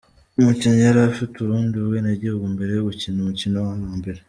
Umukinnyi yari afite ubundi bwenegihugu mbere yo gukina umukino wa mbere.